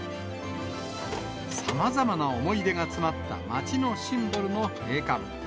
さまざまな思い出が詰まった街のシンボルの閉館。